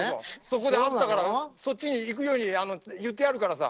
そこで会ったからそっちに行くように言ってあるからさ。